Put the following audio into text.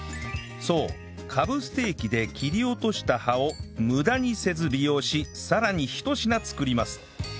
そうカブステーキで切り落とした葉を無駄にせず利用しさらにひと品作ります